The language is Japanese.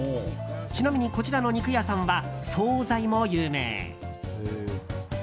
ちなみに、こちらの肉屋さんは総菜も有名。